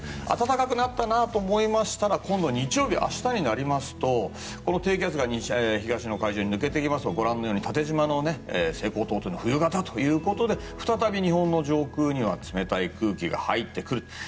暖かくなったなと思いましたら今度は日曜日、明日になりますと低気圧が東の海上に抜けていきますので縦じまの西高東低の冬型ということで再び日本の上空には冷たい空気が入ってくる。